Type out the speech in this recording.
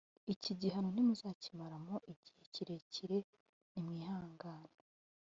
Iki gihano ntimuzakimaramo igihe kirekire nimwihangane